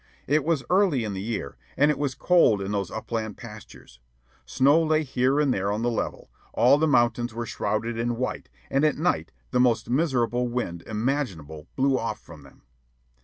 It was early in the year, and it was cold in those upland pastures. Snow lay here and there on the level, all the mountains were shrouded in white, and at night the most miserable wind imaginable blew off from them.